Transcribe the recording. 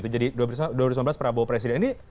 jadi dua ribu sembilan belas prabowo presiden